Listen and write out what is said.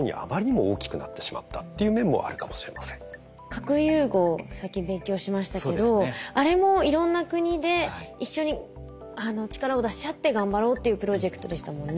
核融合を最近勉強しましたけどあれもいろんな国で一緒に力を出し合って頑張ろうっていうプロジェクトでしたもんね。